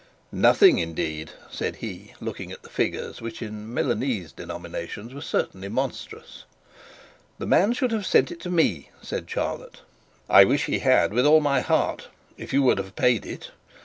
'Nothing, indeed!' said he, looking at the figures, which in Milanese denominations were certainly monstrous. 'The man should have sent it to me,' said Charlotte. 'I wish he had with all my heart if you would have paid it.